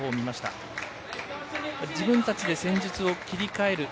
自分たちで戦術を切り替える。